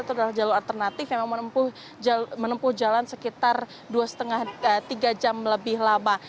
itu adalah jalur alternatif yang menempuh jalan sekitar dua lima tiga jam lebih lama